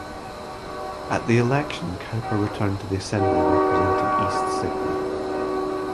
At the election Cowper returned to the Assembly representing East Sydney.